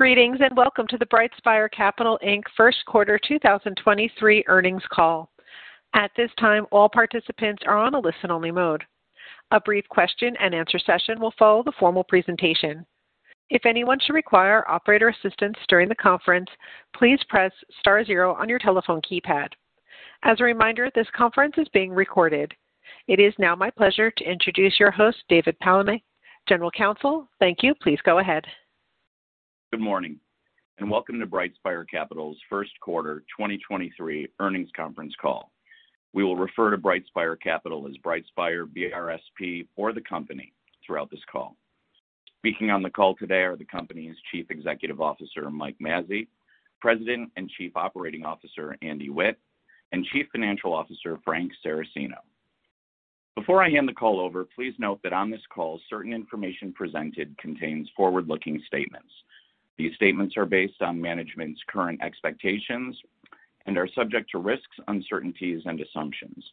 Greetings, welcome to the BrightSpire Capital Inc. First Quarter 2023 Earnings Call. At this time, all participants are on a listen-only mode. A brief question and answer session will follow the formal presentation. If anyone should require operator assistance during the conference, please press star zero on your telephone keypad. As a reminder, this conference is being recorded. It is now my pleasure to introduce your host, David Palamé, General Counsel. Thank you. Please go ahead. Good morning, and welcome to BrightSpire Capital's First Quarter 2023 Earnings Conference Call. We will refer to BrightSpire Capital as BrightSpire, BRSP, or the company throughout this call. Speaking on the call today are the company's Chief Executive Officer, Michael Mazzei, President and Chief Operating Officer, Andy Witt, and Chief Financial Officer, Frank Saracino. Before I hand the call over, please note that on this call, certain information presented contains forward-looking statements. These statements are based on management's current expectations and are subject to risks, uncertainties and assumptions.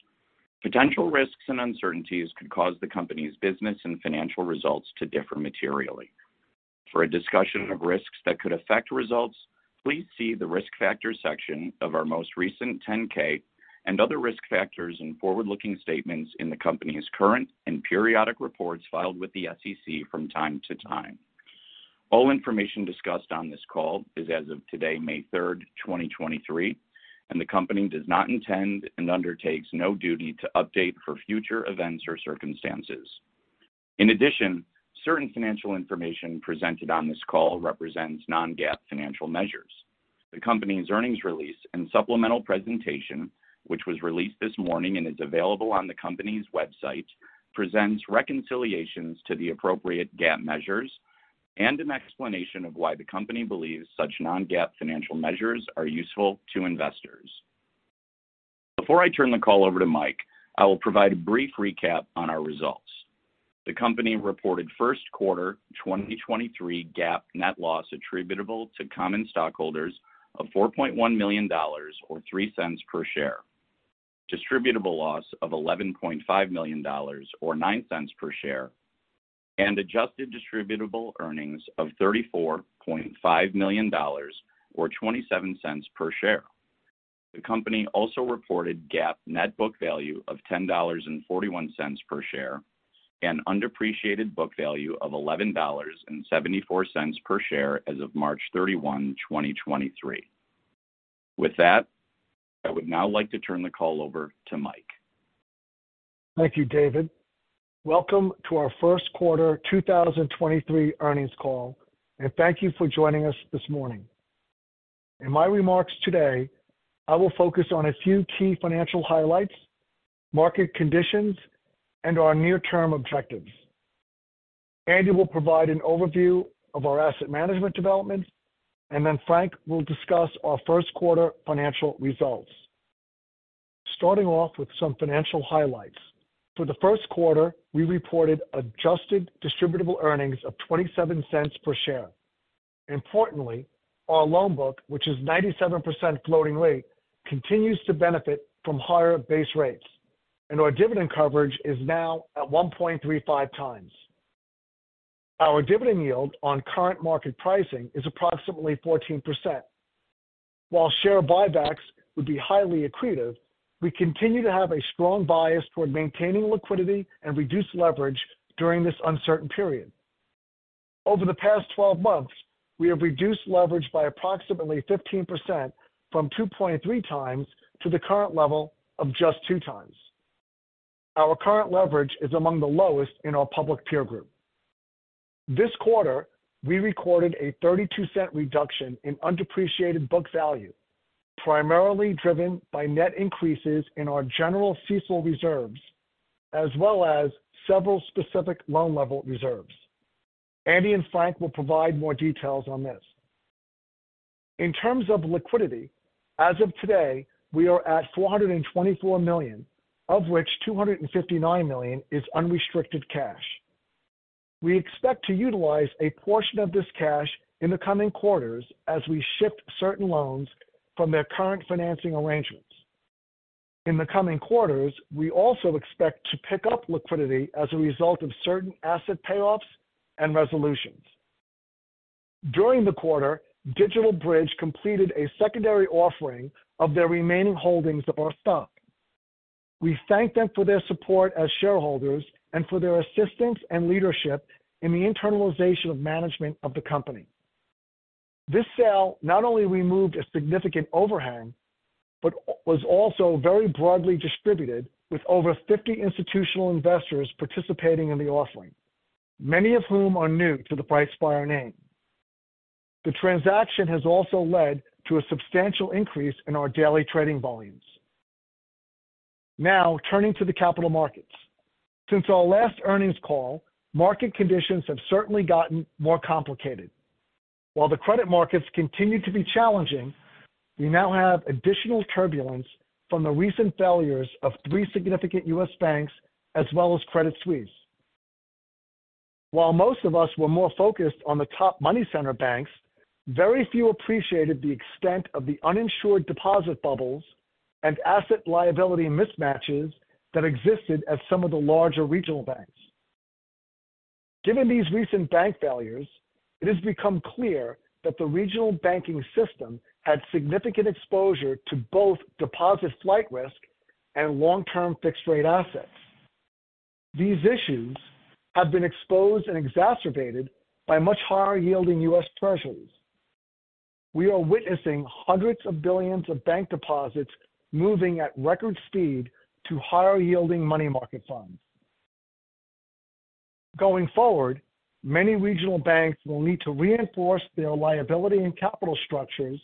Potential risks and uncertainties could cause the company's business and financial results to differ materially. For a discussion of risks that could affect results, please see the Risk Factors section of our most recent 10-K and other risk factors and forward-looking statements in the company's current and periodic reports filed with the SEC from time to time. All information discussed on this call is as of today, May 3, 2023, and the company does not intend and undertakes no duty to update for future events or circumstances. In addition, certain financial information presented on this call represents non-GAAP financial measures. The company's earnings release and supplemental presentation, which was released this morning and is available on the company's website, presents reconciliations to the appropriate GAAP measures and an explanation of why the company believes such non-GAAP financial measures are useful to investors. Before I turn the call over to Mike, I will provide a brief recap on our results. The company reported first quarter 2023 GAAP net loss attributable to common stockholders of $4.1 million or $0.03 per share, distributable loss of $11.5 million or $0.09 per share, and adjusted distributable earnings of $34.5 million or $0.27 per share. The company also reported GAAP net book value of $10.41 per share and undepreciated book value of $11.74 per share as of March 31, 2023. With that, I would now like to turn the call over to Mike. Thank you, David. Welcome to our first quarter 2023 earnings call, thank you for joining us this morning. In my remarks today, I will focus on a few key financial highlights, market conditions, and our near-term objectives. Andy will provide an overview of our asset management developments, Frank will discuss our first quarter financial results. Starting off with some financial highlights. For the first quarter, we reported adjusted distributable earnings of $0.27 per share. Importantly, our loan book, which is 97% floating rate, continues to benefit from higher base rates, our dividend coverage is now at 1.35x. Our dividend yield on current market pricing is approximately 14%. While share buybacks would be highly accretive, we continue to have a strong bias toward maintaining liquidity and reduced leverage during this uncertain period. Over the past 12 months, we have reduced leverage by approximately 15% from 2.3x to the current level of just 2x. Our current leverage is among the lowest in our public peer group. This quarter, we recorded a $0.32 reduction in undepreciated book value, primarily driven by net increases in our general CECL reserves, as well as several specific loan level reserves. Andy and Frank will provide more details on this. In terms of liquidity, as of today, we are at $424 million, of which $259 million is unrestricted cash. We expect to utilize a portion of this cash in the coming quarters as we shift certain loans from their current financing arrangements. In the coming quarters, we also expect to pick up liquidity as a result of certain asset payoffs and resolutions. During the quarter, DigitalBridge completed a secondary offering of their remaining holdings of our stock. We thank them for their support as shareholders and for their assistance and leadership in the internalization of management of the company. This sale not only removed a significant overhang but was also very broadly distributed with over 50 institutional investors participating in the offering, many of whom are new to the BrightSpire name. The transaction has also led to a substantial increase in our daily trading volumes. Now turning to the capital markets. Since our last earnings call, market conditions have certainly gotten more complicated. While the credit markets continue to be challenging, we now have additional turbulence from the recent failures of three significant U.S. banks as well as Credit Suisse. While most of us were more focused on the top money center banks, very few appreciated the extent of the uninsured deposit bubbles and asset liability mismatches that existed at some of the larger regional banks. Given these recent bank failures, it has become clear that the regional banking system had significant exposure to both deposit flight risk and long-term fixed rate assets. These issues have been exposed and exacerbated by much higher yielding US Treasuries. We are witnessing hundreds of billions of bank deposits moving at record speed to higher yielding money market funds. Going forward, many regional banks will need to reinforce their liability and capital structures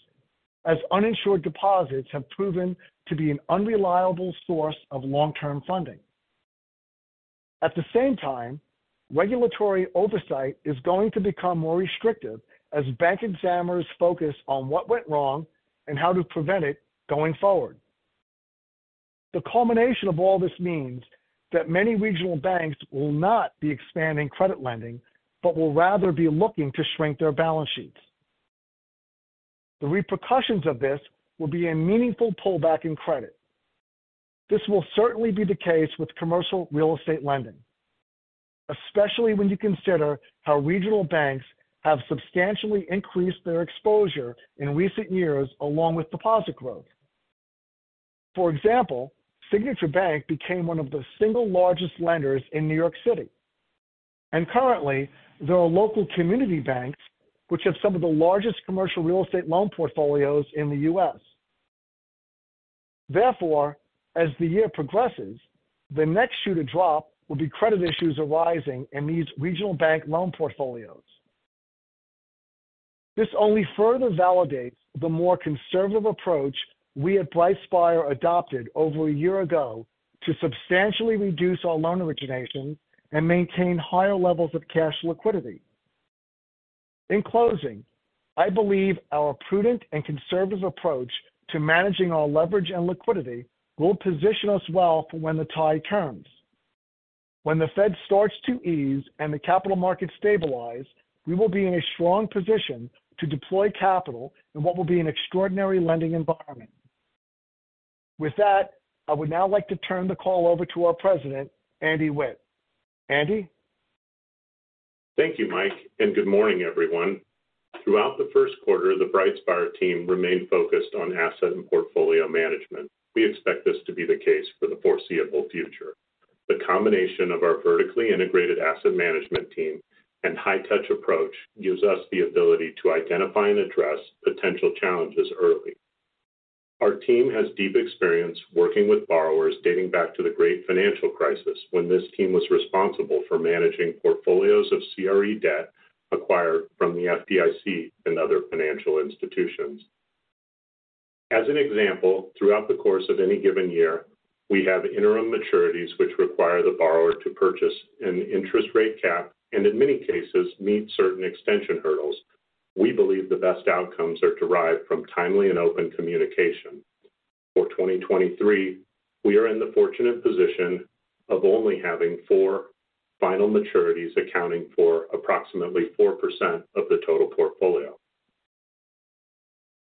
as uninsured deposits have proven to be an unreliable source of long-term funding. At the same time, regulatory oversight is going to become more restrictive as bank examiners focus on what went wrong and how to prevent it going forward. The culmination of all this means that many regional banks will not be expanding credit lending, but will rather be looking to shrink their balance sheets. The repercussions of this will be a meaningful pullback in credit. This will certainly be the case with commercial real estate lending, especially when you consider how regional banks have substantially increased their exposure in recent years along with deposit growth. For example, Signature Bank became one of the single largest lenders in New York City. Currently, there are local community banks which have some of the largest commercial real estate loan portfolios in the U.S. As the year progresses, the next shoe to drop will be credit issues arising in these regional bank loan portfolios. This only further validates the more conservative approach we at BrightSpire adopted over a year ago to substantially reduce our loan origination and maintain higher levels of cash liquidity. In closing, I believe our prudent and conservative approach to managing our leverage and liquidity will position us well for when the tide turns. When the Fed starts to ease and the capital markets stabilize, we will be in a strong position to deploy capital in what will be an extraordinary lending environment. With that, I would now like to turn the call over to our president, Andy Witt. Andy. Thank you, Mike, and good morning, everyone. Throughout the 1st quarter, the BrightSpire team remained focused on asset and portfolio management. We expect this to be the case for the foreseeable future. The combination of our vertically integrated asset management team and high touch approach gives us the ability to identify and address potential challenges early. Our team has deep experience working with borrowers dating back to the great financial crisis, when this team was responsible for managing portfolios of CRE debt acquired from the FDIC and other financial institutions. As an example, throughout the course of any given year, we have interim maturities which require the borrower to purchase an interest rate cap, and in many cases, meet certain extension hurdles. We believe the best outcomes are derived from timely and open communication. For 2023, we are in the fortunate position of only having four final maturities accounting for approximately 4% of the total portfolio.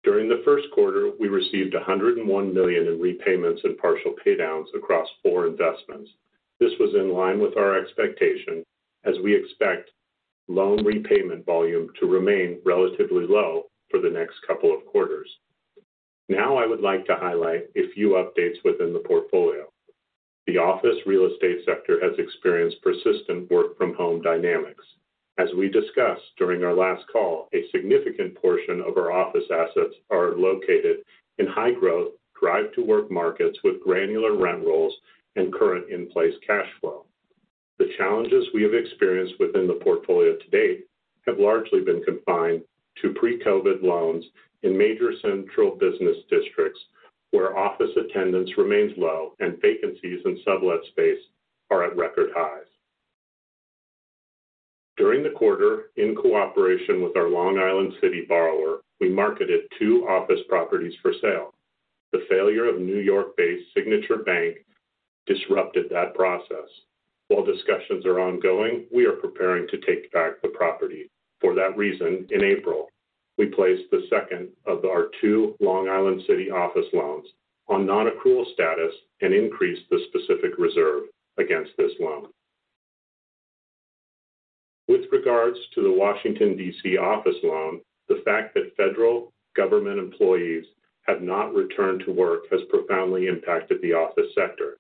During the first quarter, we received $101 million in repayments and partial pay downs across four investments. This was in line with our expectation as we expect loan repayment volume to remain relatively low for the next couple of quarters. I would like to highlight a few updates within the portfolio. The office real estate sector has experienced persistent work from home dynamics. As we discussed during our last call, a significant portion of our office assets are located in high growth, drive to work markets with granular rent rolls and current in-place cash flow. The challenges we have experienced within the portfolio to date have largely been confined to pre-COVID loans in major central business districts where office attendance remains low and vacancies in sublet space are at record highs. During the quarter, in cooperation with our Long Island City borrower, we marketed two office properties for sale. The failure of New York-based Signature Bank disrupted that process. While discussions are ongoing, we are preparing to take back the property. For that reason, in April, we placed the second of our two Long Island City office loans on non-accrual status and increased the specific reserve against this loan. With regards to the Washington, D.C. office loan, the fact that federal government employees have not returned to work has profoundly impacted the office sector.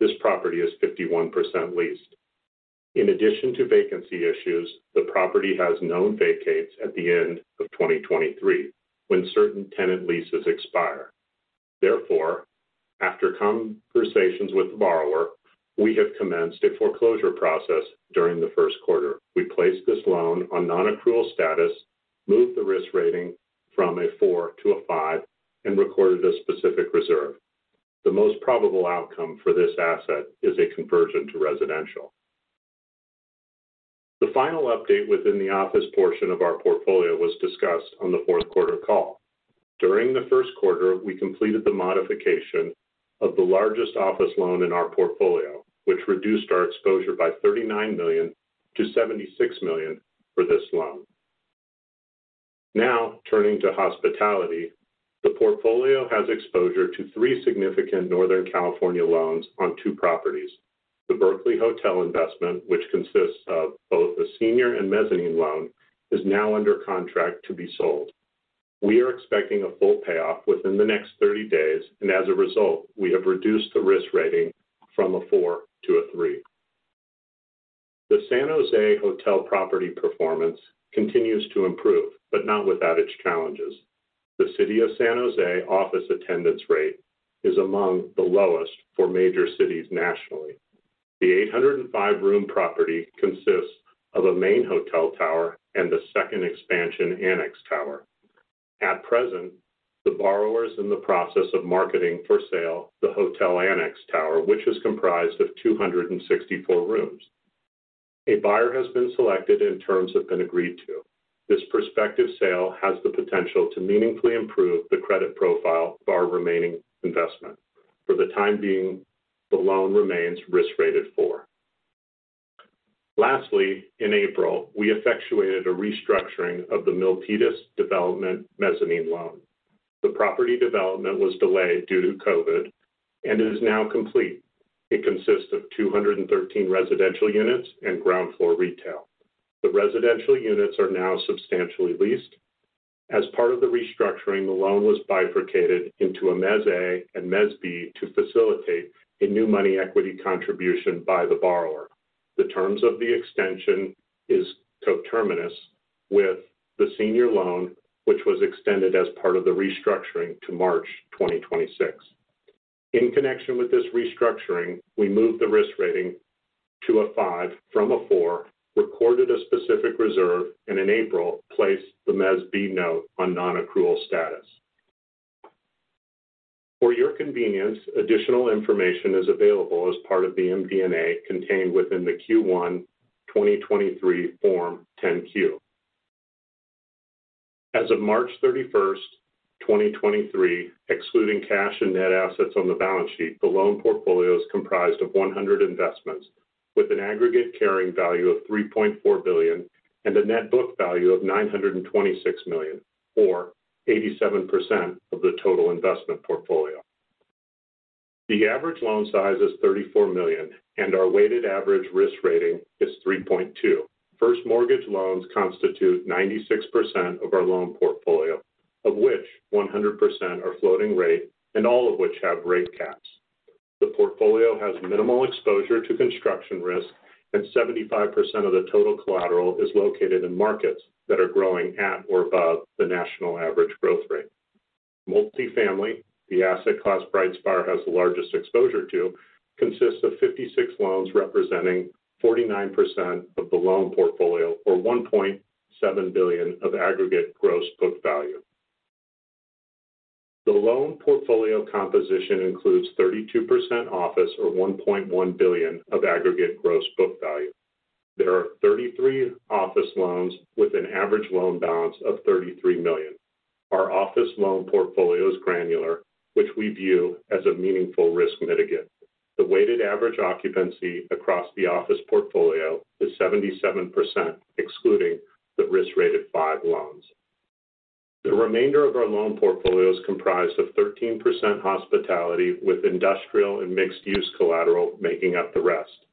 This property is 51% leased. In addition to vacancy issues, the property has known vacates at the end of 2023 when certain tenant leases expire. After conversations with the borrower, we have commenced a foreclosure process during the first quarter. We placed this loan on non-accrual status, moved the risk rating from a four to a five, and recorded a specific reserve. The most probable outcome for this asset is a conversion to residential. The final update within the office portion of our portfolio was discussed on the fourth quarter call. During the first quarter, we completed the modification of the largest office loan in our portfolio, which reduced our exposure by $39 million to $76 million for this loan. Turning to hospitality. The portfolio has exposure to three significant Northern California loans on two properties. The Berkeley Hotel investment, which consists of both a senior and mezzanine loan, is now under contract to be sold. We are expecting a full payoff within the next 30 days, and as a result, we have reduced the risk rating from a four to a three. The San Jose Hotel property performance continues to improve, but not without its challenges. The City of San Jose office attendance rate is among the lowest for major cities nationally. The 805 room property consists of a main hotel tower and a second expansion annex tower. At present, the borrower is in the process of marketing for sale the hotel annex tower, which is comprised of 264 rooms. A buyer has been selected and terms have been agreed to. This prospective sale has the potential to meaningfully improve the credit profile of our remaining investment. For the time being, the loan remains risk rated four. Lastly, in April, we effectuated a restructuring of the Milpitas development mezzanine loan. The property development was delayed due to COVID and is now complete. It consists of 213 residential units and ground floor retail. The residential units are now substantially leased. As part of the restructuring, the loan was bifurcated into a Mezz A and Mezz B to facilitate a new money equity contribution by the borrower. The terms of the extension is coterminous with the senior loan, which was extended as part of the restructuring to March 2026. In connection with this restructuring, we moved the risk rating to a five from a four, recorded a specific reserve, and in April placed the Mezz B note on non-accrual status. For your convenience, additional information is available as part of the MD&A contained within the Q1 2023 Form 10-Q. As of March 31st, 2023, excluding cash and net assets on the balance sheet, the loan portfolio is comprised of 100 investments with an aggregate carrying value of $3.4 billion and a net book value of $926 million, or 87% of the total investment portfolio. The average loan size is $34 million. Our weighted average risk rating is 3.2. First mortgage loans constitute 96% of our loan portfolio, of which 100% are floating rate and all of which have rate caps. The portfolio has minimal exposure to construction risk. 75% of the total collateral is located in markets that are growing at or above the national average growth rate. Multifamily, the asset class BrightSpire Capital has the largest exposure to, consists of 56 loans, representing 49% of the loan portfolio, or $1.7 billion of aggregate gross book value. The loan portfolio composition includes 32% office, or $1.1 billion of aggregate gross book value. There are 33 office loans with an average loan balance of $33 million. Our office loan portfolio is granular, which we view as a meaningful risk mitigate. The weighted average occupancy across the office portfolio is 77%, excluding the risk rated five loans. The remainder of our loan portfolio is comprised of 13% hospitality, with industrial and mixed-use collateral making up the rest.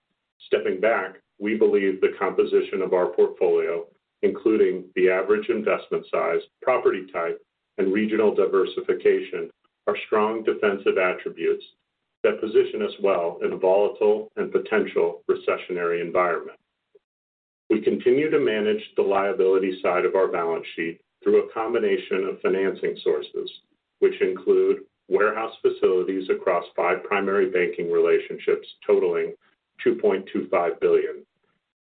Stepping back, we believe the composition of our portfolio, including the average investment size, property type, and regional diversification, are strong defensive attributes that position us well in a volatile and potential recessionary environment. We continue to manage the liability side of our balance sheet through a combination of financing sources, which include warehouse facilities across five primary banking relationships totaling $2.25 billion.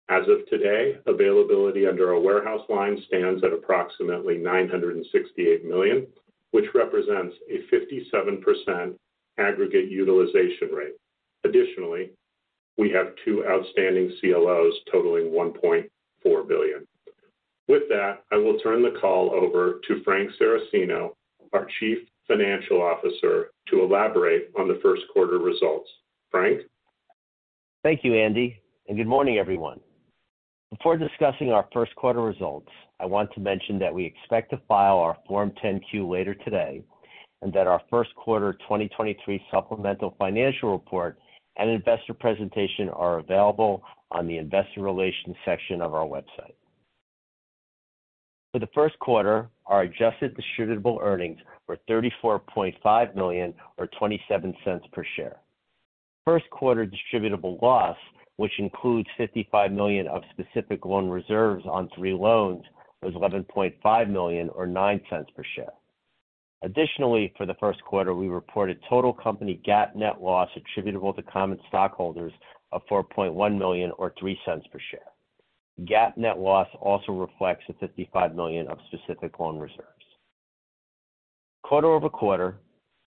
As of today, availability under our warehouse line stands at approximately $968 million, which represents a 57% aggregate utilization rate. Additionally, we have two outstanding CLOs totaling $1.4 billion. With that, I will turn the call over to Frank Saracino, our Chief Financial Officer, to elaborate on the first quarter results. Frank? Thank you, Andy, and good morning, everyone. Before discussing our 1st quarter results, I want to mention that we expect to file our Form 10-Q later today and that our 1st quarter 2023 supplemental financial report and investor presentation are available on the investor relations section of our website. For the 1st quarter, our adjusted distributable earnings were $34.5 million or $0.27 per share. 1st quarter distributable loss, which includes $55 million of specific loan reserves on three loans, was $11.5 million or $0.09 per share. Additionally, for the 1st quarter, we reported total company GAAP net loss attributable to common stockholders of $4.1 million or $0.03 per share. GAAP net loss also reflects the $55 million of specific loan reserves. Quarter-over-quarter,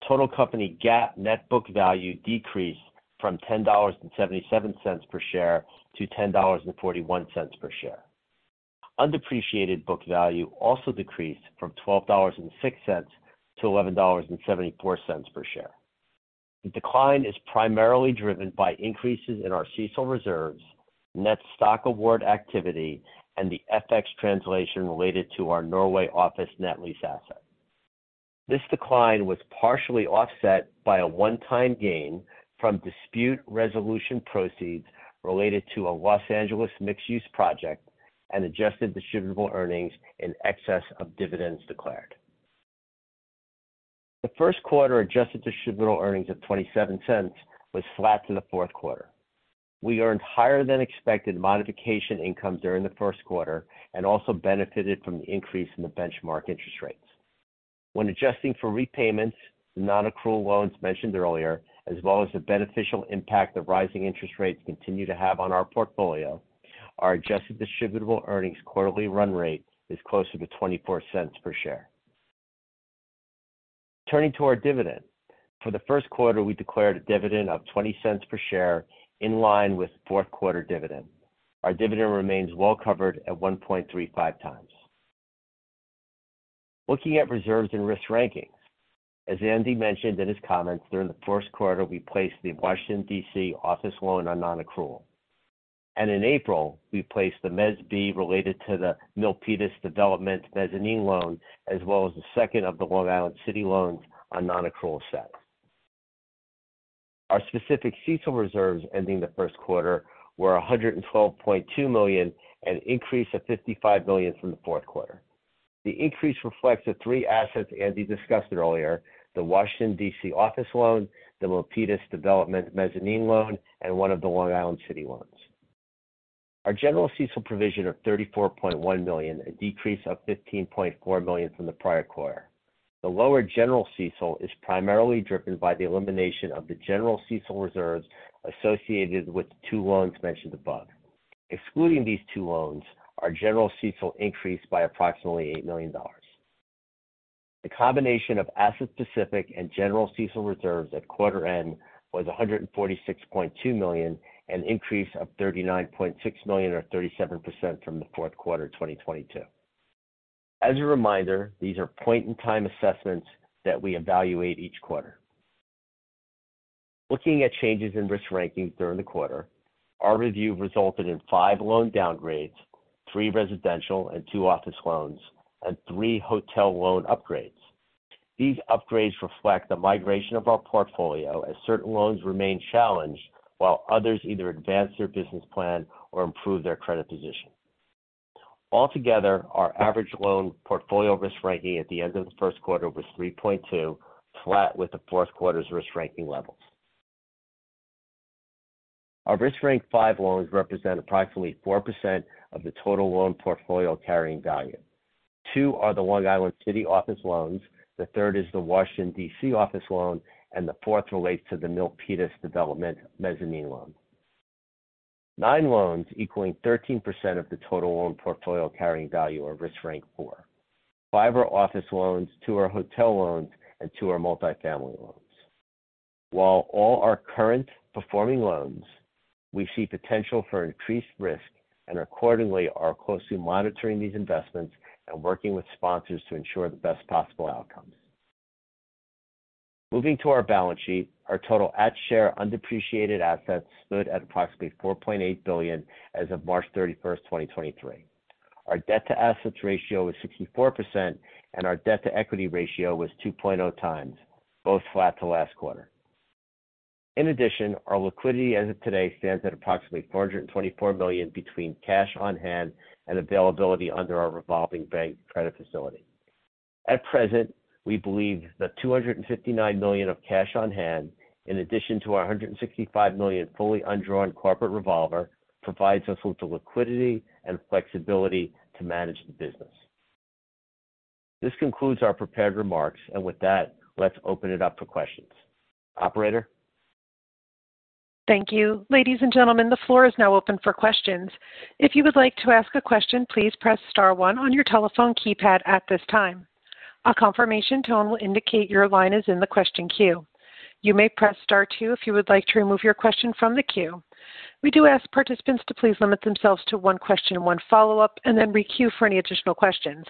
total company GAAP net book value decreased from $10.77 per share to $10.41 per share. Undepreciated book value also decreased from $12.06 to $11.74 per share. The decline is primarily driven by increases in our CECL reserves, net stock award activity, and the FX translation related to our Norway office net lease asset. This decline was partially offset by a one-time gain from dispute resolution proceeds related to a Los Angeles mixed-use project and adjusted distributable earnings in excess of dividends declared. The first quarter adjusted distributable earnings of $0.27 was flat to the fourth quarter. We earned higher than expected modification income during the first quarter and also benefited from the increase in the benchmark interest rates. When adjusting for repayments, the non-accrual loans mentioned earlier, as well as the beneficial impact that rising interest rates continue to have on our portfolio, our adjusted distributable earnings quarterly run rate is closer to $0.24 per share. Turning to our dividend. For the first quarter, we declared a dividend of $0.20 per share in line with fourth quarter dividend. Our dividend remains well covered at 1.35x. Looking at reserves and risk rankings. As Andy mentioned in his comments, during the first quarter, we placed the Washington, D.C., office loan on non-accrual. In April, we placed the Mezz B related to the Milpitas development mezzanine loan, as well as the second of the Long Island City loans on non-accrual status. Our specific CECL reserves ending the first quarter were $112.2 million, an increase of $55 million from the fourth quarter. The increase reflects the three assets Andy discussed earlier, the Washington, D.C., office loan, the Milpitas development mezzanine loan, and one of the Long Island City loans. Our general CECL provision of $34.1 million, a decrease of $15.4 million from the prior quarter. The lower general CECL is primarily driven by the elimination of the general CECL reserves associated with the two loans mentioned above. Excluding these two loans, our general CECL increased by approximately $8 million. The combination of asset-specific and general CECL reserves at quarter end was $146.2 million, an increase of $39.6 million or 37% from the fourth quarter 2022. As a reminder, these are point-in-time assessments that we evaluate each quarter. Looking at changes in risk rankings during the quarter, our review resulted in five loan downgrades, three residential and two office loans, and three hotel loan upgrades. These upgrades reflect the migration of our portfolio as certain loans remain challenged while others either advance their business plan or improve their credit position. Altogether, our average loan portfolio risk ranking at the end of the first quarter was 3.2, flat with the fourth quarter's risk ranking levels. Our risk ranked five loans represent approximately 4% of the total loan portfolio carrying value. Two are the Long Island City office loans, the third is the Washington, D.C., office loan, and the fourth relates to the Milpitas development mezzanine loan. Nine loans equaling 13% of the total loan portfolio carrying value are risk ranked four. Five are office loans, two are hotel loans, and two are multifamily loans. While all are current performing loans, we see potential for increased risk and accordingly are closely monitoring these investments and working with sponsors to ensure the best possible outcomes. Moving to our balance sheet, our total at-share undepreciated assets stood at approximately $4.8 billion as of March 31, 2023. Our debt-to-assets ratio was 64% and our debt-to-equity ratio was 2.0x, both flat to last quarter. In addition, our liquidity as of today stands at approximately $424 million between cash on hand and availability under our revolving bank credit facility. At present, we believe the $259 million of cash on hand, in addition to our $165 million fully undrawn corporate revolver, provides us with the liquidity and flexibility to manage the business. This concludes our prepared remarks. With that, let's open it up for questions. Operator? Thank you. Ladies and gentlemen, the floor is now open for questions. If you would like to ask a question, please press star one on your telephone keypad at this time. A confirmation tone will indicate your line is in the question queue. You may press star two if you would like to remove your question from the queue. We do ask participants to please limit themselves to one question and one follow-up, and then re-queue for any additional questions.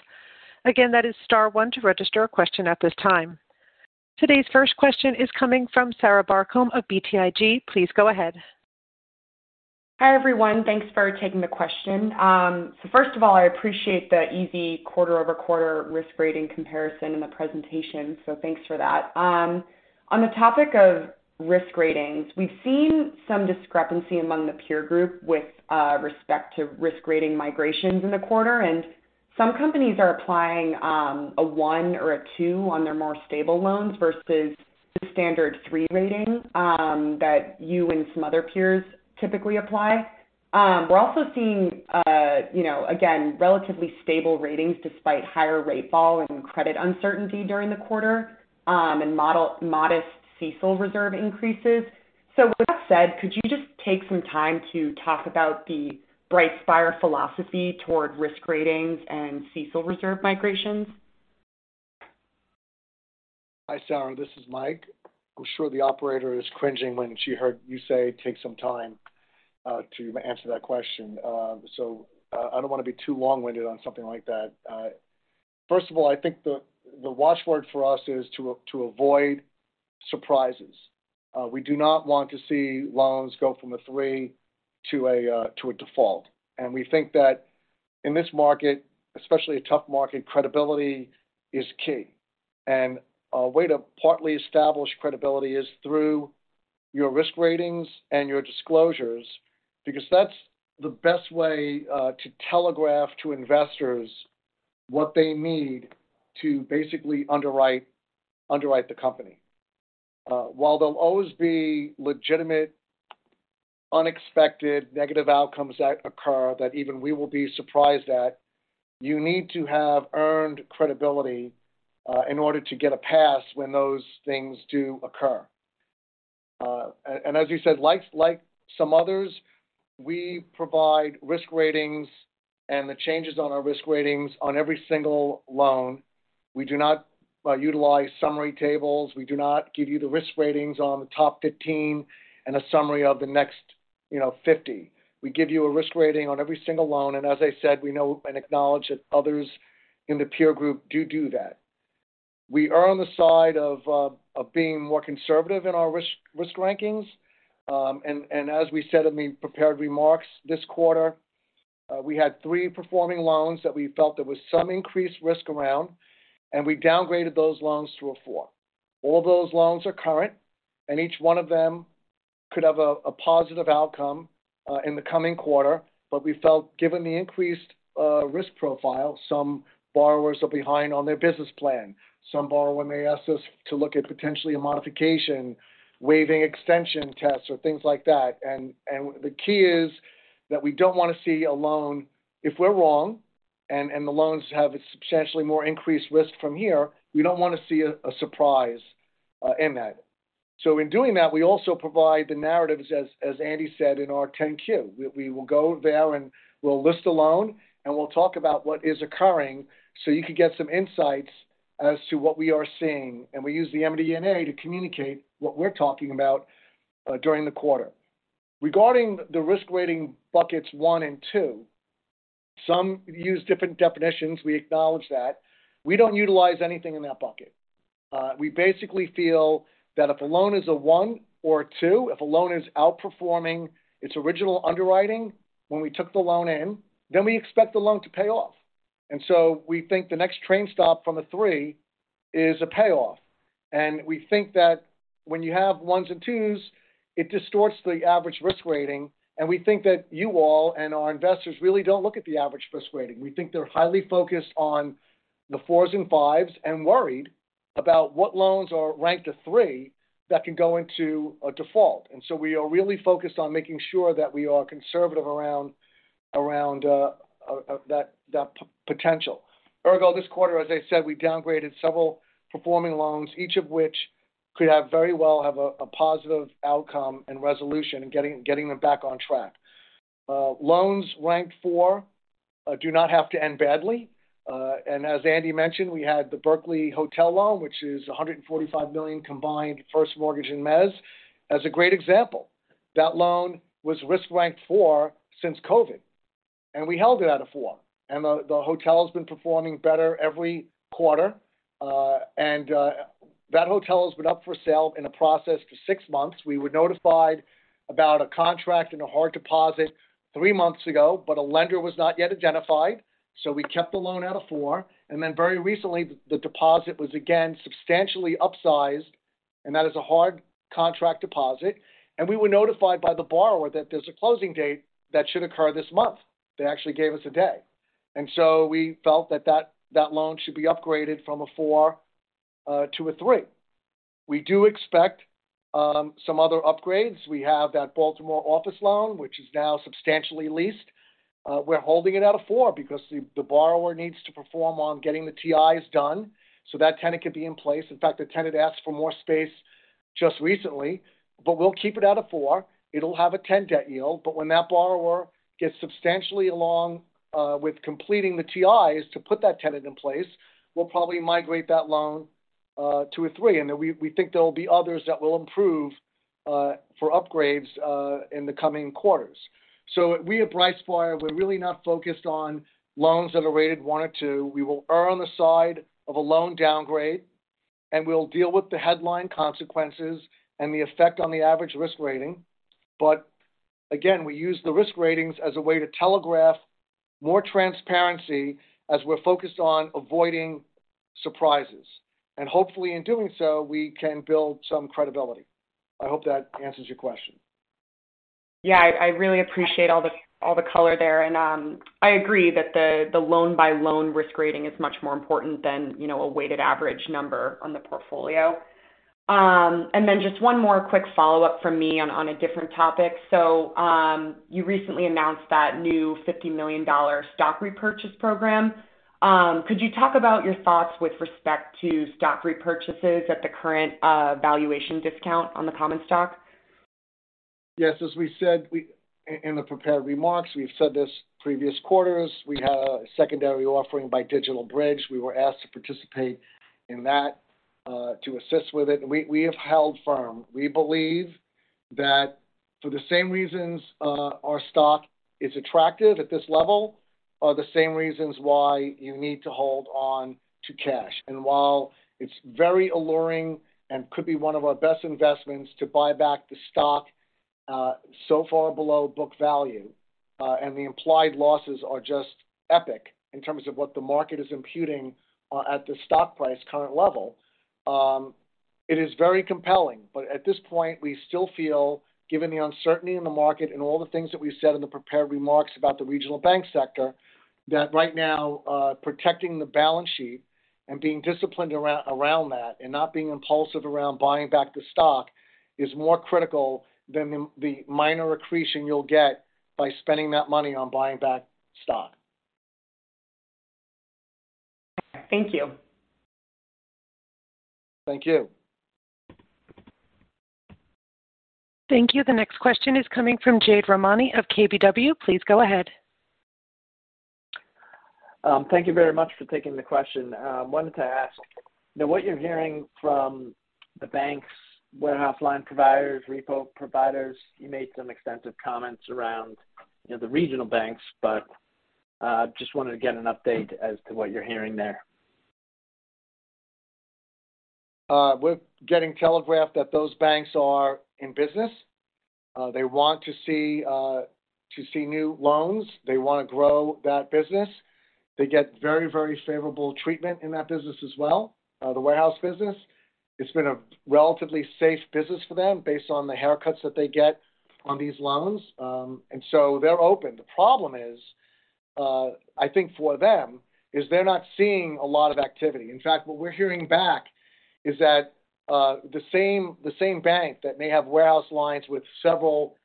Again, that is star one to register a question at this time. Today's first question is coming from Sarah Barcomb of BTIG. Please go ahead. Hi, everyone. Thanks for taking the question. First of all, I appreciate the easy quarter-over-quarter risk rating comparison in the presentation. Thanks for that. On the topic of risk ratings, we've seen some discrepancy among the peer group with respect to risk rating migrations in the quarter. Some companies are applying a one or a two on their more stable loans versus the standard three rating that you and some other peers typically apply. We're also seeing, you know, again, relatively stable ratings despite higher rate fall and credit uncertainty during the quarter and modest CECL reserve increases. With that said, could you just take some time to talk about the BrightSpire philosophy toward risk ratings and CECL reserve migrations? Hi, Sarah. This is Mike. I'm sure the operator is cringing when she heard you say take some time, to answer that question. I don't want to be too long-winded on something like that. First of all, I think the watchword for us is to avoid surprises. We do not want to see loans go from a three to a default. We think that in this market, especially a tough market, credibility is key. A way to partly establish credibility is through your risk ratings and your disclosures because that's the best way to telegraph to investors what they need to basically underwrite the company. While there'll always be legitimate, unexpected negative outcomes that occur that even we will be surprised at, you need to have earned credibility in order to get a pass when those things do occur. As you said, like some others, we provide risk ratings and the changes on our risk ratings on every single loan. We do not utilize summary tables. We do not give you the risk ratings on the top 15 and a summary of the next, you know, 50. We give you a risk rating on every single loan, and as I said, we know and acknowledge that others in the peer group do that. We err on the side of being more conservative in our risk rankings. As we said in the prepared remarks this quarter, we had three performing loans that we felt there was some increased risk around, and we downgraded those loans to a four. All those loans are current, and each one of them could have a positive outcome in the coming quarter. We felt, given the increased risk profile, some borrowers are behind on their business plan. Some borrower may ask us to look at potentially a modification, waiving extension tests or things like that. The key is that we don't wanna see a loan, if we're wrong and the loans have a substantially more increased risk from here, we don't wanna see a surprise in that. In doing that, we also provide the narratives, as Andy said in our 10-Q. We will go there, and we'll list the loan, and we'll talk about what is occurring, so you can get some insights as to what we are seeing. We use the MD&A to communicate what we're talking about during the quarter. Regarding the risk rating buckets one and two, some use different definitions. We acknowledge that. We don't utilize anything in that bucket. We basically feel that if a loan is a one or a two, if a loan is outperforming its original underwriting when we took the loan in, then we expect the loan to pay off. We think the next train stop from a three is a payoff. We think that when you have ones and twos, it distorts the average risk rating, and we think that you all and our investors really don't look at the average risk rating. We think they're highly focused on the fours and fives and worried about what loans are ranked a three that can go into a default. We are really focused on making sure that we are conservative around that potential. This quarter, as I said, we downgraded several performing loans, each of which could have very well have a positive outcome and resolution in getting them back on track. Loans ranked four do not have to end badly. As Andy mentioned, we had the Berkeley Hotel loan, which is a $145 million combined first mortgage in Mezz, as a great example. That loan was risk ranked four since COVID, and we held it at a four. The hotel's been performing better every quarter. That hotel has been up for sale in a process for six months. We were notified about a contract and a hard deposit three months ago, but a lender was not yet identified, so we kept the loan at a four. Very recently, the deposit was again substantially upsized, and that is a hard contract deposit. We were notified by the borrower that there's a closing date that should occur this month. They actually gave us a day. We felt that loan should be upgraded from a four to a three. We do expect some other upgrades. We have that Baltimore office loan, which is now substantially leased. We're holding it at a four because the borrower needs to perform on getting the TIs done so that tenant can be in place. In fact, the tenant asked for more space just recently. We'll keep it at a four. It'll have a 10 debt yield, but when that borrower gets substantially along with completing the TIs to put that tenant in place, we'll probably migrate that loan to a three. We think there will be others that will improve for upgrades in the coming quarters. We at BrightSpire Capital, we're really not focused on loans that are rated one or two. We will err on the side of a loan downgrade, and we'll deal with the headline consequences and the effect on the average risk rating. Again, we use the risk ratings as a way to telegraph more transparency as we're focused on avoiding surprises. Hopefully in doing so, we can build some credibility. I hope that answers your question. Yeah. I really appreciate all the, all the color there. I agree that the loan-by-loan risk rating is much more important than, you know, a weighted average number on the portfolio. Just one more quick follow-up from me on a different topic. You recently announced that new $50 million stock repurchase program. Could you talk about your thoughts with respect to stock repurchases at the current valuation discount on the common stock? Yes. As we said, in the prepared remarks, we've said this previous quarters, we had a secondary offering by DigitalBridge. We were asked to participate in that to assist with it. We have held firm. We believe that for the same reasons, our stock is attractive at this level are the same reasons why you need to hold on to cash. While it's very alluring and could be one of our best investments to buy back the stock, so far below book value, and the implied losses are just epic in terms of what the market is imputing at the stock price current level, it is very compelling. At this point, we still feel, given the uncertainty in the market and all the things that we've said in the prepared remarks about the regional bank sector, that right now, protecting the balance sheet and being disciplined around that and not being impulsive around buying back the stock is more critical than the minor accretion you'll get by spending that money on buying back stock. Thank you. Thank you. Thank you. The next question is coming from Jade Rahmani of KBW. Please go ahead. Thank you very much for taking the question. Wanted to ask now what you're hearing from the banks, warehouse line providers, repo providers. You made some extensive comments around, you know, the regional banks, just wanted to get an update as to what you're hearing there. We're getting telegraphed that those banks are in business. They want to see new loans. They wanna grow that business. They get very, very favorable treatment in that business as well. The warehouse business, it's been a relatively safe business for them based on the haircuts that they get on these loans. They're open. The problem is, I think for them is they're not seeing a lot of activity. In fact, what we're hearing back is that the same bank that may have warehouse lines with several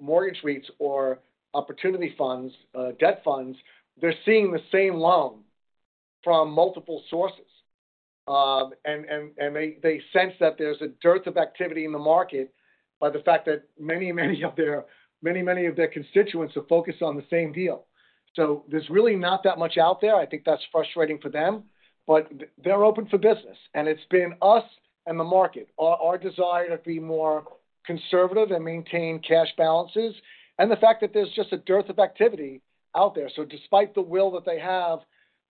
mortgage rates or opportunity funds, debt funds, they're seeing the same loan from multiple sources. And they sense that there's a dearth of activity in the market by the fact that many of their constituents are focused on the same deal. There's really not that much out there. I think that's frustrating for them. They're open for business, and it's been us and the market. Our desire to be more conservative and maintain cash balances and the fact that there's just a dearth of activity out there. Despite the will that they have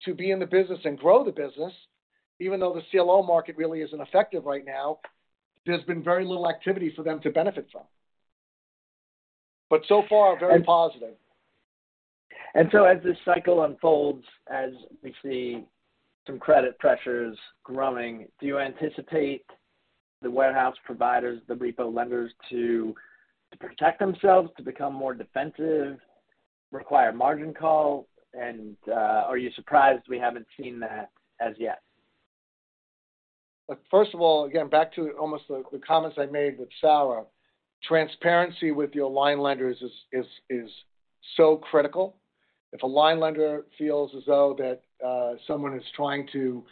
to be in the business and grow the business, even though the CLO market really isn't effective right now, there's been very little activity for them to benefit from. So far, very positive. As this cycle unfolds, as we see some credit pressures growing, do you anticipate the warehouse providers, the repo lenders to protect themselves, to become more defensive, require margin calls? Are you surprised we haven't seen that as yet? Again, back to almost the comments I made with SOFR. Transparency with your line lenders is so critical. If a line lender feels as though someone is trying to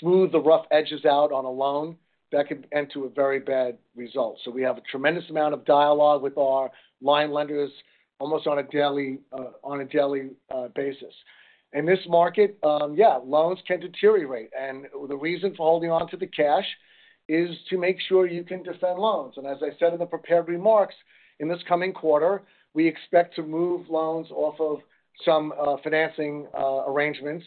smooth the rough edges out on a loan, that could end to a very bad result. We have a tremendous amount of dialogue with our line lenders almost on a daily basis. In this market, loans can deteriorate, and the reason for holding onto the cash is to make sure you can defend loans. As I said in the prepared remarks, in this coming quarter, we expect to move loans off of some financing arrangements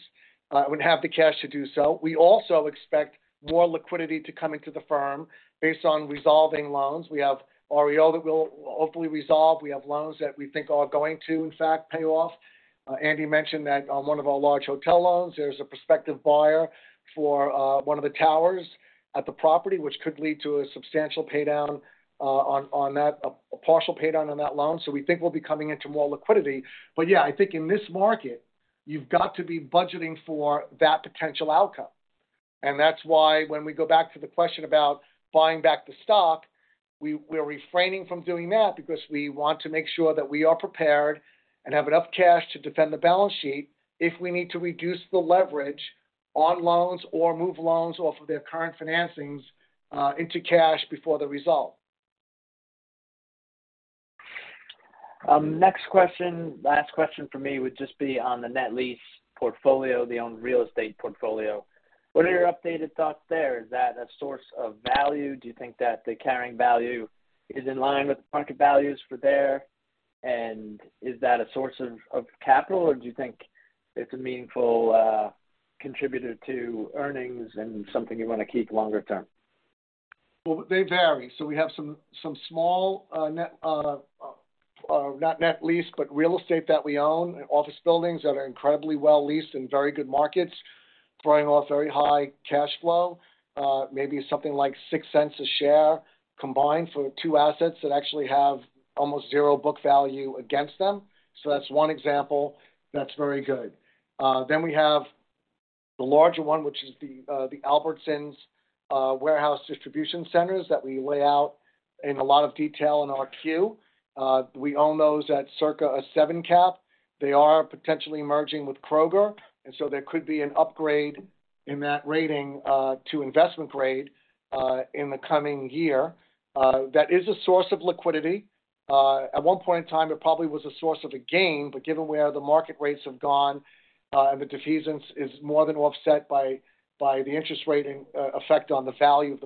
and have the cash to do so. We also expect more liquidity to come into the firm based on resolving loans. We have REO that we'll hopefully resolve. We have loans that we think are going to in fact pay off. Andy mentioned that on one of our large hotel loans, there's a prospective buyer for one of the towers at the property, which could lead to a substantial pay down on that, a partial pay down on that loan. We think we'll be coming into more liquidity. Yeah, I think in this market, you've got to be budgeting for that potential outcome. That's why when we go back to the question about buying back the stock, we're refraining from doing that because we want to make sure that we are prepared and have enough cash to defend the balance sheet if we need to reduce the leverage on loans or move loans off of their current financings, into cash before they resolve. Next question. Last question from me would just be on the net lease portfolio, the owned real estate portfolio. What are your updated thoughts there? Is that a source of value? Do you think that the carrying value is in line with the market values for there? Is that a source of capital, or do you think it's a meaningful contributor to earnings and something you wanna keep longer term? They vary. We have some small, not net lease, but real estate that we own. Office buildings that are incredibly well leased in very good markets, throwing off very high cash flow. Maybe something like $0.06 a share combined for two assets that actually have almost zero book value against them. That's one example that's very good. We have the larger one, which is the Albertsons warehouse distribution centers that we lay out in a lot of detail in our Q. We own those at circa a seven cap. They are potentially merging with Kroger, there could be an upgrade in that rating to investment grade in the coming year. That is a source of liquidity. At one point in time, it probably was a source of a gain, but given where the market rates have gone, and the defeasance is more than offset by the interest rating, effect on the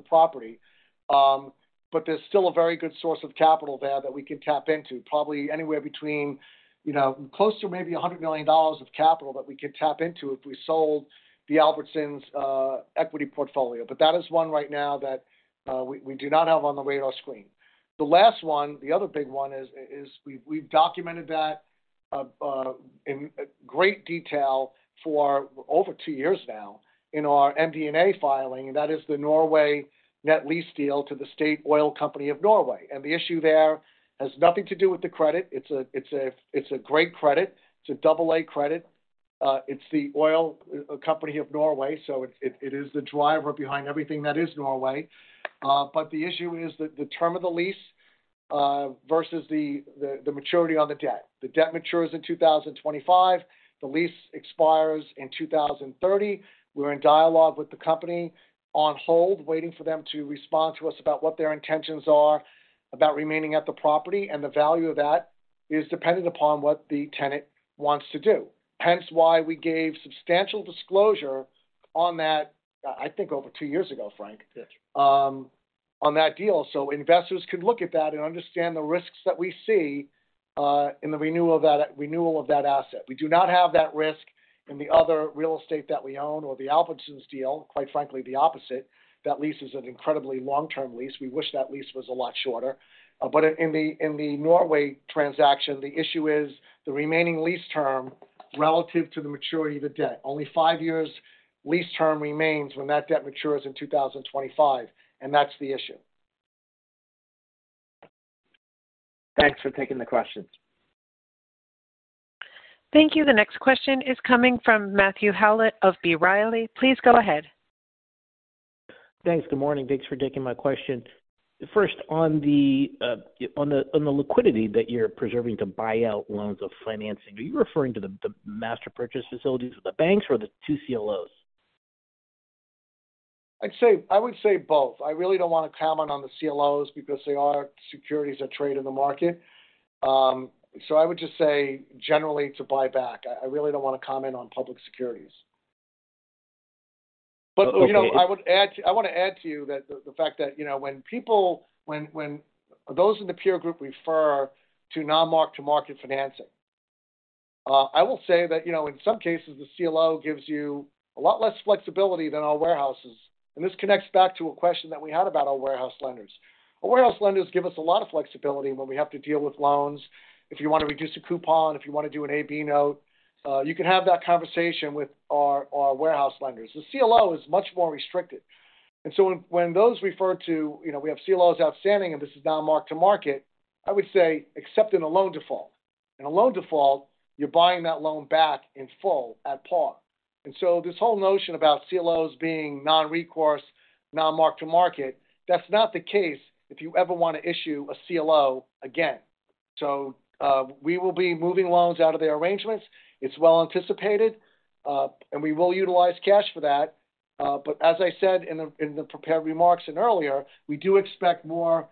value of the property. There's still a very good source of capital there that we can tap into, probably anywhere between, you know, close to maybe $100 million of capital that we could tap into if we sold the Albertsons' equity portfolio. That is one right now that we do not have on the radar screen. The last one, the other big one is we've documented that in great detail for over two years now in our MD&A filing, and that is the Norway net lease deal to the State Oil Company of Norway. The issue there has nothing to do with the credit. It's a great credit. It's a double A credit. It's the oil company of Norway, so it is the driver behind everything that is Norway. The issue is the term of the lease versus the maturity on the debt. The debt matures in 2025. The lease expires in 2030. We're in dialogue with the company on hold, waiting for them to respond to us about what their intentions are about remaining at the property, and the value of that is dependent upon what the tenant wants to do. Hence why we gave substantial disclosure on that, I think over two years ago, Frank Yes. On that deal, investors could look at that and understand the risks that we see in the renewal of that asset. We do not have that risk in the other real estate that we own or the Albertsons deal, quite frankly, the opposite. That lease is an incredibly long-term lease. We wish that lease was a lot shorter. In the Norway transaction, the issue is the remaining lease term relative to the maturity of the debt. Only five years lease term remains when that debt matures in 2025, and that's the issue. Thanks for taking the questions. Thank you. The next question is coming from Matt Howlett of B. Riley. Please go ahead. Thanks. Good morning. Thanks for taking my question. First, on the liquidity that you're preserving to buy out loans of financing, are you referring to the master purchase facilities of the banks or the two CLOs? I would say both. I really don't wanna comment on the CLOs because they are securities that trade in the market. I would just say generally to buy back, I really don't wanna comment on public securities. You know, I wanna add to you that the fact that, you know, when people, when those in the peer group refer to non-mark-to-market financing, I will say that, you know, in some cases the CLO gives you a lot less flexibility than our warehouses. This connects back to a question that we had about our warehouse lenders. Our warehouse lenders give us a lot of flexibility when we have to deal with loans. If you wanna reduce a coupon, if you wanna do an A/B note, you can have that conversation with our warehouse lenders. The CLO is much more restricted. When, when those refer to, you know, we have CLOs outstanding, and this is now mark-to-market, I would say, except in a loan default. In a loan default, you're buying that loan back in full at par. This whole notion about CLOs being non-recourse, non-mark-to-market, that's not the case if you ever wanna issue a CLO again. We will be moving loans out of the arrangements. It's well anticipated, and we will utilize cash for that. As I said in the, in the prepared remarks and earlier, we do expect more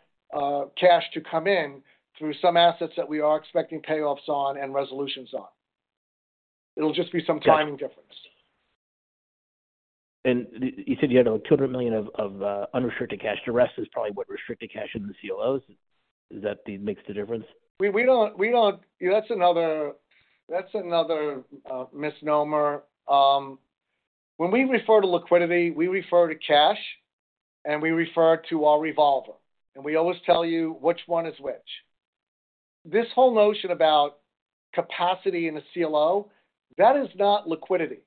cash to come in through some assets that we are expecting payoffs on and resolutions on. It'll just be some timing difference. You said you had $200 million of unrestricted cash. The rest is probably what restricted cash in the CLOs. Is that makes the difference? We don't. That's another, that's another misnomer. When we refer to liquidity, we refer to cash, and we refer to our revolver, and we always tell you which one is which. This whole notion about capacity in a CLO, that is not liquidity.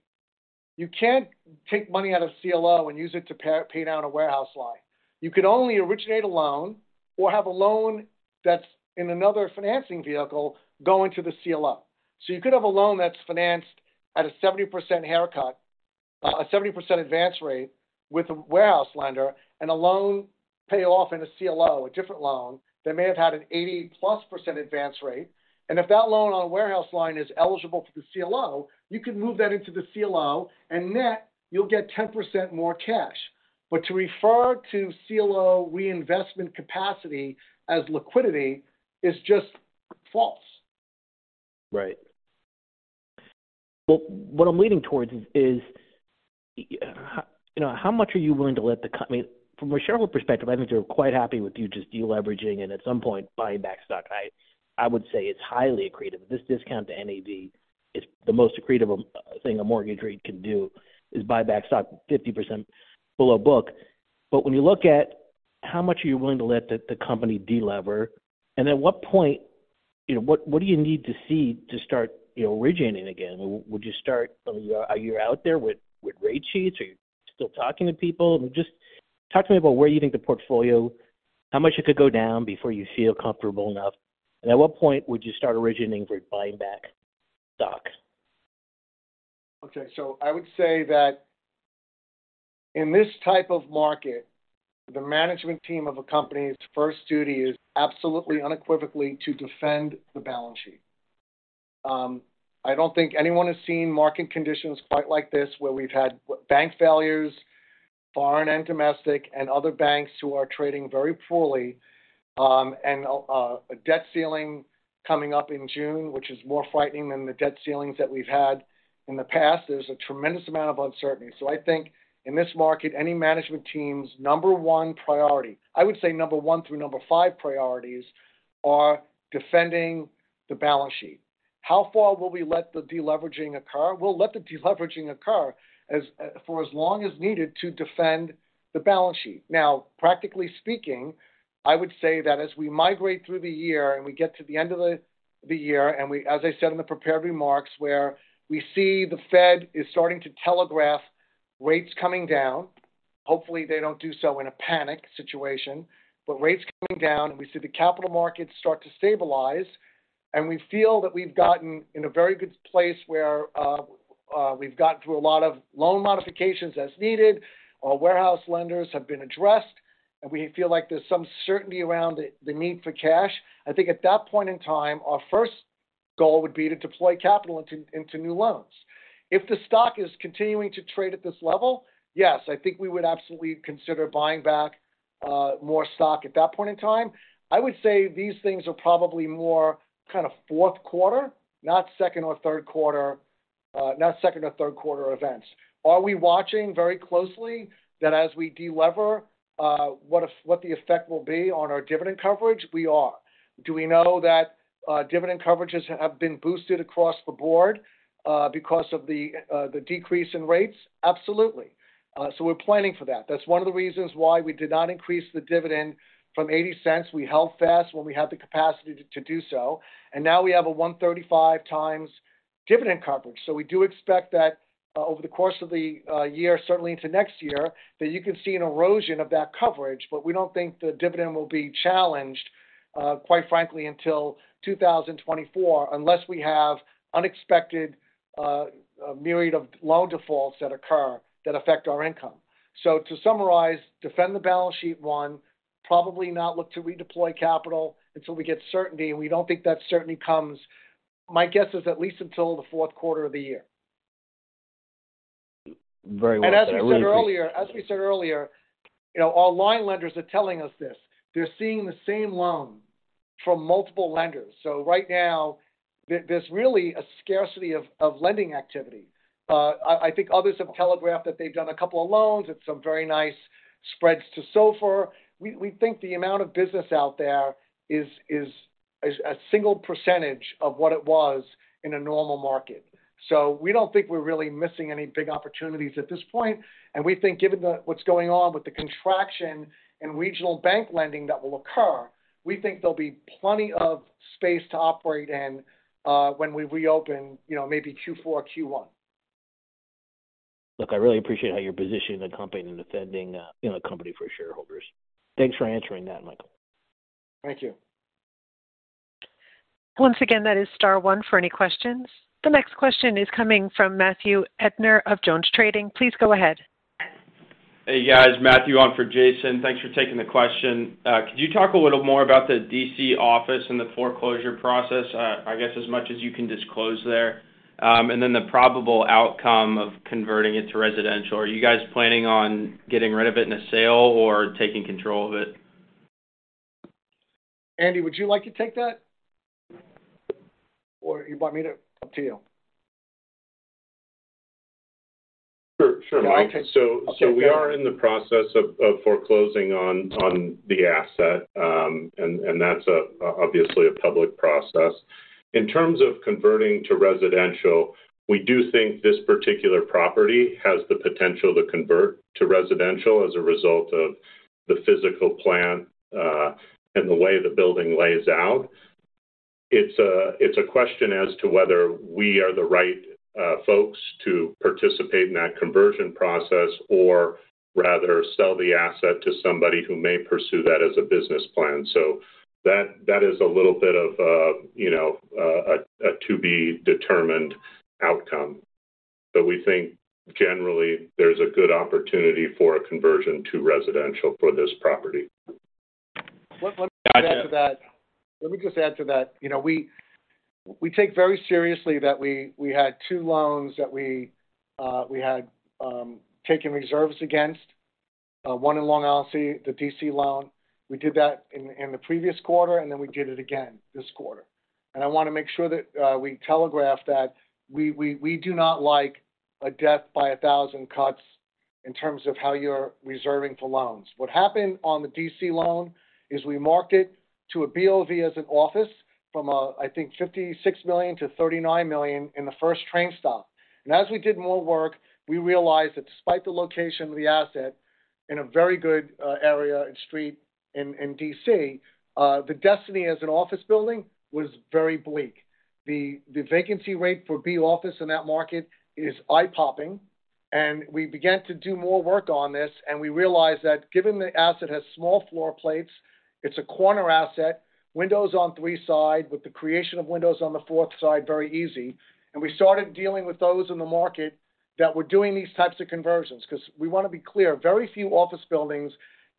You can't take money out of CLO and use it to pay down a warehouse line. You can only originate a loan or have a loan that's in another financing vehicle go into the CLO. You could have a loan that's financed at a 70% haircut, a 70% advance rate with a warehouse lender and a loan pay off in a CLO, a different loan, that may have had an 80%+ advance rate. If that loan on a warehouse line is eligible for the CLO, you can move that into the CLO and net, you'll get 10% more cash. To refer to CLO reinvestment capacity as liquidity is just false. Right. Well, what I'm leaning towards is, you know, how much are you willing to let I mean, from a shareholder perspective, I think they're quite happy with you just deleveraging and at some point buying back stock. I would say it's highly accretive. This discount to NAV is the most accretive thing a mortgage rate can do, is buy back stock 50% below book. When you look at how much are you willing to let the company de-lever, and at what point, you know, what do you need to see to start, you know, originating again? Are you out there with rate sheets? Are you still talking to people? Just talk to me about where you think the portfolio, how much it could go down before you feel comfortable enough, and at what point would you start originating for buying back stock? I would say that in this type of market, the management team of a company's first duty is absolutely unequivocally to defend the balance sheet. I don't think anyone has seen market conditions quite like this where we've had bank failures, foreign and domestic, and other banks who are trading very poorly, and a debt ceiling coming up in June, which is more frightening than the debt ceilings that we've had in the past. There's a tremendous amount of uncertainty. I think in this market, any management team's number one priority, I would say number one through number five priorities are defending the balance sheet. How far will we let the deleveraging occur? We'll let the deleveraging occur as for as long as needed to defend the balance sheet. Practically speaking, I would say that as we migrate through the year and we get to the end of the year as I said in the prepared remarks, where we see the Fed is starting to telegraph rates coming down. Hopefully, they don't do so in a panic situation, but rates coming down, and we see the capital markets start to stabilize. We feel that we've gotten in a very good place where we've gotten through a lot of loan modifications as needed, our warehouse lenders have been addressed, and we feel like there's some certainty around the need for cash. I think at that point in time, our first goal would be to deploy capital into new loans. If the stock is continuing to trade at this level, yes, I think we would absolutely consider buying back more stock at that point in time. I would say these things are probably more, kind of, fourth quarter, not second or third quarter, not second or third quarter events. Are we watching very closely that as we de-lever, what the effect will be on our dividend coverage? We are. Do we know that dividend coverages have been boosted across the board because of the decrease in rates? Absolutely. We're planning for that. That's one of the reasons why we did not increase the dividend from $0.80. We held fast when we had the capacity to do so. Now we have a 1.35x dividend coverage. We do expect that, over the course of the year, certainly into next year, that you can see an erosion of that coverage, but we don't think the dividend will be challenged, quite frankly, until 2024, unless we have unexpected, myriad of loan defaults that occur that affect our income. To summarize, defend the balance sheet, one, probably not look to redeploy capital until we get certainty. We don't think that certainty comes, my guess is at least until the fourth quarter of the year. Very well. As we said earlier, you know, our line lenders are telling us this. They're seeing the same loan from multiple lenders. Right now, there's really a scarcity of lending activity. I think others have telegraphed that they've done a couple of loans at some very nice spreads to SOFR. We think the amount of business out there is a single percentage of what it was in a normal market. We don't think we're really missing any big opportunities at this point. We think given what's going on with the contraction in regional bank lending that will occur, we think there'll be plenty of space to operate in when we reopen, you know, maybe Q4, Q1. Look, I really appreciate how you're positioning the company and defending, you know, the company for shareholders. Thanks for answering that, Michael. Thank you. Once again, that is star one for any questions. The next question is coming from Matthew Erdner of JonesTrading. Please go ahead. Hey, guys. Matthew on for Jason. Thanks for taking the question. Could you talk a little more about the D.C. office and the foreclosure process, I guess as much as you can disclose there? The probable outcome of converting it to residential. Are you guys planning on getting rid of it in a sale or taking control of it? Andy, would you like to take that? You want me to Up to you. Sure, Mike. We are in the process of foreclosing on the asset, and that's obviously a public process. In terms of converting to residential, we do think this particular property has the potential to convert to residential as a result of the physical plan and the way the building lays out. It's a question as to whether we are the right folks to participate in that conversion process or rather sell the asset to somebody who may pursue that as a business plan. That is a little bit of a, you know, a to-be-determined outcome. We think generally there's a good opportunity for a conversion to residential for this property. Let me just add to that. Let me just add to that. You know, we take very seriously that we had two loans that we had taken reserves against, one in Long Island City, the D.C. loan. We did that in the previous quarter, we did it again this quarter. I wanna make sure that we telegraph that we do not like a debt by a 1,000 cuts in terms of how you're reserving for loans. What happened on the D.C. loan is we marked it to a BOV as an office from, I think $56 million to $39 million in the first train stop. As we did more work, we realized that despite the location of the asset in a very good area and street in D.C., the destiny as an office building was very bleak. The vacancy rate for B office in that market is eye-popping. We began to do more work on this, and we realized that given the asset has small floor plates, it's a corner asset, windows on three side with the creation of windows on the fourth side very easy. We started dealing with those in the market-That we're doing these types of conversions because we wanna be clear, very few office buildings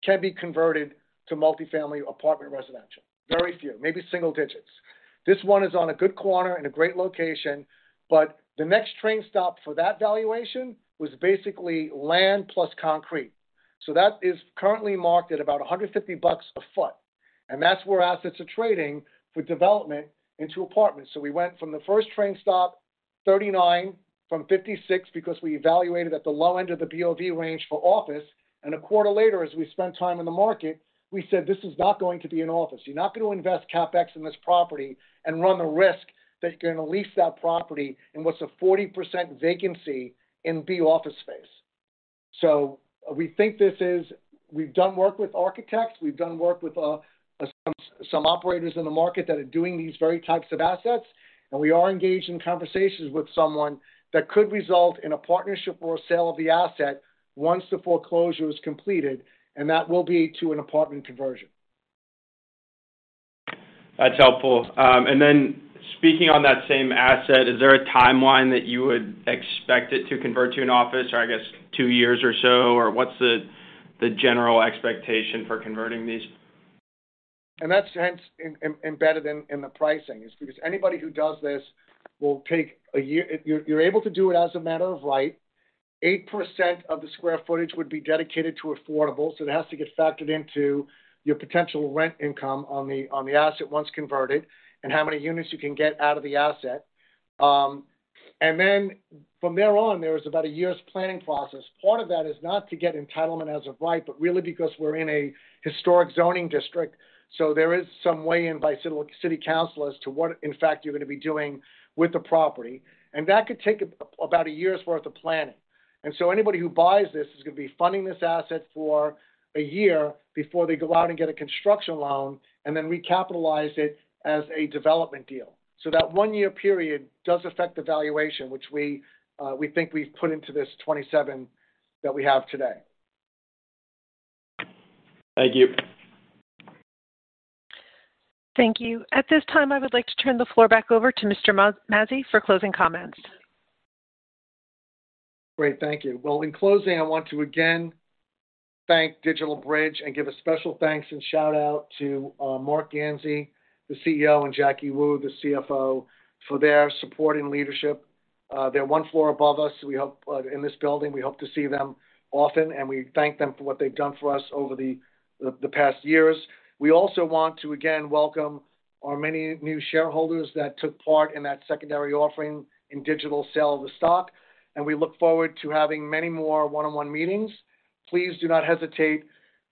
can be converted to multifamily apartment residential. Very few, maybe single digits. This one is on a good corner in a great location, the next train stop for that valuation was basically land plus concrete. That is currently marked at about $150 a foot, and that's where assets are trading for development into apartments. We went from the first train stop, 39, from 56, because we evaluated at the low end of the BOV range for office. A quarter later, as we spent time in the market, we said, "This is not going to be an office. You're not gonna invest CapEx in this property and run the risk that you're gonna lease that property in what's a 40% vacancy in B office space." We think this is. We've done work with architects, we've done work with some operators in the market that are doing these very types of assets, and we are engaged in conversations with someone that could result in a partnership or a sale of the asset once the foreclosure is completed, and that will be to an apartment conversion. That's helpful. Speaking on that same asset, is there a timeline that you would expect it to convert to an office? Or I guess two years or so, or what's the general expectation for converting these? That's hence embedded in the pricing. It's because anybody who does this will take a year. If you're able to do it as a matter of right, 8% of the square footage would be dedicated to affordable, so it has to get factored into your potential rent income on the asset once converted and how many units you can get out of the asset. From there on, there is about a year's planning process. Part of that is not to get entitlement as of right, but really because we're in a historic zoning district, so there is some way in by city council as to what in fact you're gonna be doing with the property. That could take about a year's worth of planning. Anybody who buys this is gonna be funding this asset for a year before they go out and get a construction loan and then recapitalize it as a development deal. That one-year period does affect the valuation, which we think we've put into this 27 that we have today. Thank you. Thank you. At this time, I would like to turn the floor back over to Mr. Mazzei for closing comments. Great, thank you. Well, in closing, I want to again thank DigitalBridge and give a special thanks and shout out to Marc Ganzi, the CEO, and Jacky Wu, the CFO, for their support and leadership. They're one floor above us in this building. We hope to see them often, and we thank them for what they've done for us over the past years. We also want to again welcome our many new shareholders that took part in that secondary offering in digital sale of the stock, and we look forward to having many more one-on-one meetings. Please do not hesitate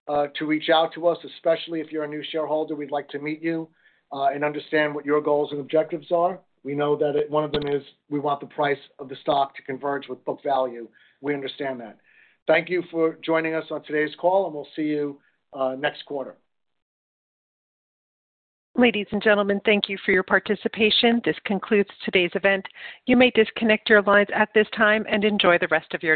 to reach out to us, especially if you're a new shareholder. We'd like to meet you and understand what your goals and objectives are. We know that one of them is we want the price of the stock to converge with book value. We understand that. Thank you for joining us on today's call. We'll see you next quarter. Ladies and gentlemen, thank you for your participation. This concludes today's event. You may disconnect your lines at this time and enjoy the rest of your day.